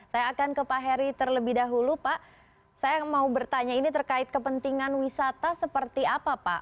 saya akan ke pak heri terlebih dahulu pak saya mau bertanya ini terkait kepentingan wisata seperti apa pak